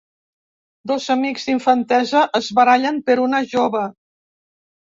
Dos amics d’infantesa es barallen per una jove.